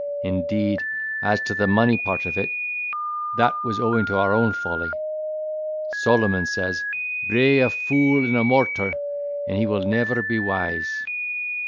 Indeed as to the money part of it, that was owing to our own folly.—Solomon says, 'Bray a fool in a mortar, and he will never be wise.